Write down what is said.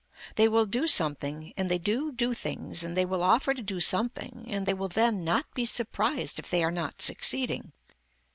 They will do something and they do do things and they will offer to do something and they will then not be surprised if they are not succeeding.